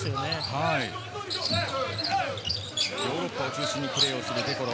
ヨーロッパを中心にプレーするデ・コロ。